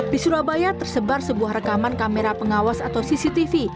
di surabaya tersebar sebuah rekaman kamera pengawas atau cctv